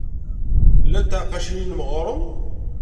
Llant tɛeqqacin-nnem ɣer-m?